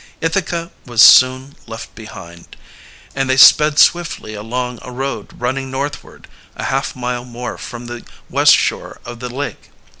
Ithaca was soon left behind, and they sped swiftly along a road running northward, a half mile more from the west shore of the lake.